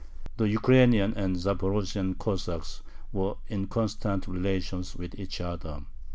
The Ukrainian and Zaporozhian Cossacks were in constant relations with each other.